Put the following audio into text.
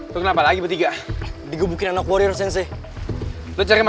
sampai jumpa di video selanjutnya